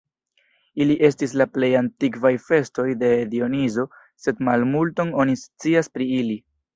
Ili estis la plej antikvaj festoj de Dionizo, sed malmulton oni scias pri ili.